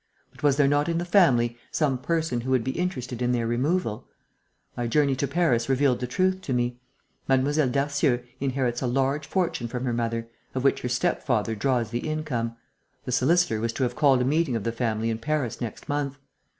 But was there not in the family some person who would be interested in their removal? My journey to Paris revealed the truth to me: Mlle. Darcieux inherits a large fortune from her mother, of which her step father draws the income. The solicitor was to have called a meeting of the family in Paris next month.